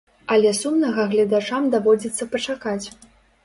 Але сумнага гледачам даводзіцца пачакаць.